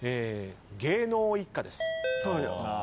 芸能一家です。